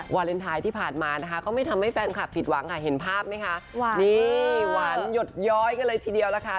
วาเลนไทยที่ผ่านมานะคะก็ไม่ทำให้แฟนคลับผิดหวังค่ะเห็นภาพไหมคะหวานนี่หวานหยดย้อยกันเลยทีเดียวล่ะค่ะ